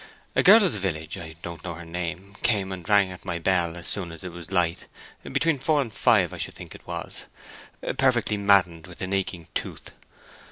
A girl of the village—I don't know her name—came and rang at my bell as soon as it was light—between four and five, I should think it was—perfectly maddened with an aching tooth.